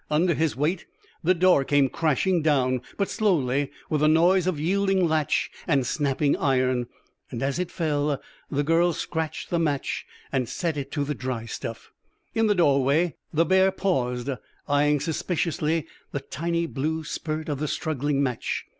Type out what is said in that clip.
Under his weight the door came crashing down, but slowly, with the noise of yielding latch and snapping iron. As it fell, the girl scratched the match and set it to the dry stuff. In the doorway the bear paused, eyeing suspiciously the tiny blue spurt of the struggling match.